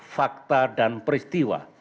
fakta dan peristiwa